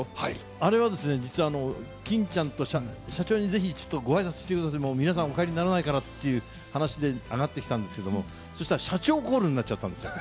あれはですね、実は、欽ちゃんと社長にぜひちょっとごあいさつしてください、皆さん、お帰りにならないからって話であがってきたんですけれども、そしたら、社長コールになっちゃったんですよ。